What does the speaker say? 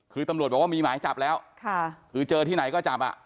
คือตำรวจบอกว่ามีหมายจับแล้วคือเจอที่ไหนก็จับอ่ะ